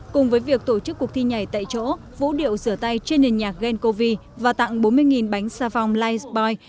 cùng với việc tổ chức cuộc thi nhảy tại chỗ vũ điệu rửa tay trên nền nhạc gencovi và tặng bốn mươi bánh xà phòng lifebuoy